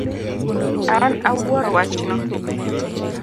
An awuoro wachno